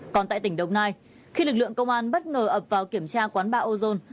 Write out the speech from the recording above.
còn tại tỉnh đồng nai khi lực lượng công an bất ngờ ập vào kiểm tra quán ba ozone